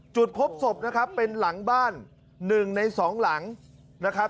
จุดพบศพนะครับเป็นหลังบ้าน๑ใน๒หลังนะครับ